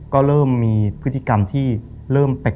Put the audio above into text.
ก็เริ่มมีพฤติกรรมที่เริ่มแปลก